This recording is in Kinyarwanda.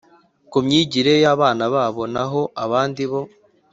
ku myigire y abana babo naho abandi bo